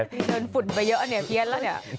ที่เดินฝุ่นไปเยอะเนี่ยเพี้ยนแล้วเนี่ย